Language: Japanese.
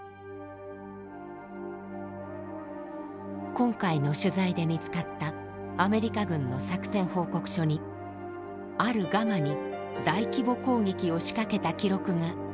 今回の取材で見つかったアメリカ軍の作戦報告書にあるガマに大規模攻撃を仕掛けた記録が残っていました。